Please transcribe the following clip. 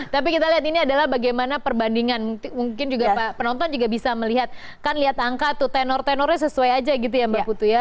tapi kita lihat ini adalah bagaimana perbandingan mungkin juga pak penonton juga bisa melihat kan lihat angka tuh tenor tenornya sesuai aja gitu ya mbak putu ya